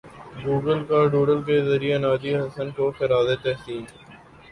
Google کا doodle کے ذریعے نازیہ حسن کو خراج تحسین